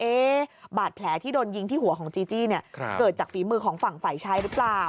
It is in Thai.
บาดแผลที่โดนยิงที่หัวของจีจี้เนี่ยเกิดจากฝีมือของฝั่งฝ่ายชายหรือเปล่า